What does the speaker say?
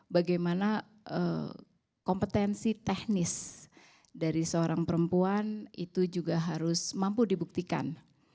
bagaimana kompetensi teknis dari seorang perempuan itu juga harus mampu dibuktikan